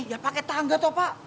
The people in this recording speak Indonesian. ya pake tangga toh pak